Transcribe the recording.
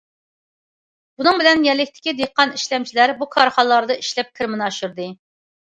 بۇنىڭ بىلەن يەرلىكتىكى دېھقان ئىشلەمچىلەر بۇ كارخانىلاردا ئىشلەپ كىرىمىنى ئاشۇردى.